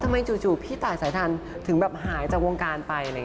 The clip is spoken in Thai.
ทำไมจู่พี่ตายสายทานถึงหายจากวงการไป